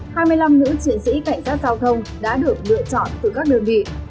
năm hai nghìn hai mươi hai mươi năm nữ chiến sĩ cảnh sát giao thông đã được lựa chọn từ các đơn vị